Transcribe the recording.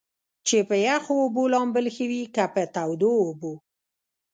چې پۀ يخو اوبو لامبل ښۀ وي کۀ پۀ تودو اوبو ؟